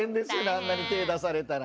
あんなに手出されたらね。